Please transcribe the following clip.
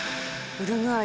ウルグアイです。